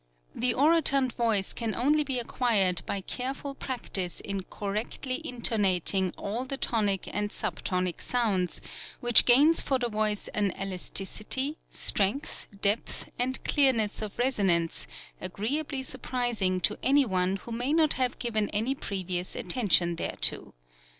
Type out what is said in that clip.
The orotund voice can only be acquired by careful practice in correctly intoning all the tonic and subtonic sounds, which gains for the voice an elasticity, strength, depth and clearness of reson ance agreeably surprising to any one who may not have given any previous attention thereto.